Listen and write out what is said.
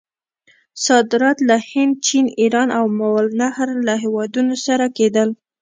صادرات له هند، چین، ایران او ماورأ النهر له هیوادونو سره کېدل.